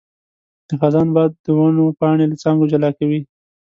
د خزان باد د ونو پاڼې له څانګو جلا کوي.